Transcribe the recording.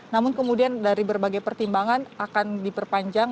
namun kemudian dari berbagai pertimbangan akan diperpanjang